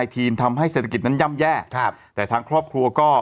ทีมทำให้เศรษฐกิจนั้นย่ำแย่ครับแต่ทางครอบครัวก็